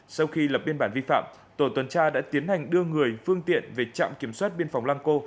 sau khi lập biên bản vi phạm tổ tuần tra đã tiến hành đưa người phương tiện về trạm kiểm soát biên phòng lăng cô